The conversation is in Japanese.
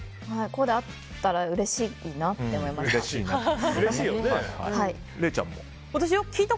こうだったらうれしいなって思いました。